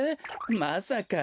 まさか。